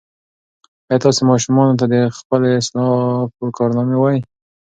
ایا تاسي ماشومانو ته د خپلو اسلافو کارنامې وایئ؟